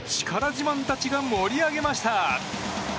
自慢たちが盛り上げました。